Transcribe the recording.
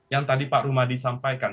yang tadi pak rumadi sampaikan